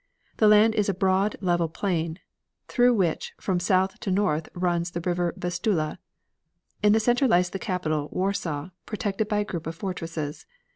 The land is a broad, level plain, through which from south to north runs the River Vistula. In the center lies the capital, Warsaw, protected by a group of fortresses.